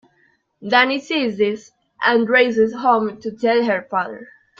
Dani sees this, and races home to tell her father.